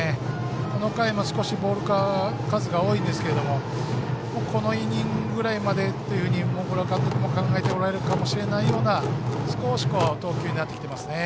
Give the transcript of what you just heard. この回もボールの数が多いんですけどこのイニングぐらいまでと小倉監督も考えておられるかもしれないような投球に少しなってきてますね。